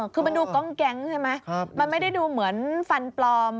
คือมันดูกล้องแก๊งใช่ไหมมันไม่ได้ดูเหมือนฟันปลอม